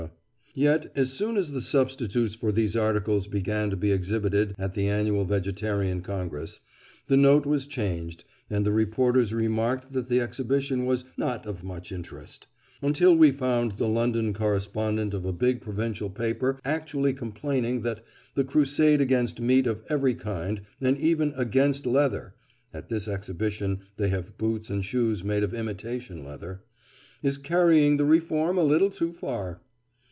yet as soon as the substitutes for these articles began to be exhibited at the annual Vegetarian Congress, the note was changed, and the reporters remarked that the exhibition was "not of much interest," until we found the London correspondent of a big provincial paper actually complaining that "the crusade against meat of every kind, and even against leather (at this exhibition they have boots and shoes made of imitation leather), is carrying the reform a little too far."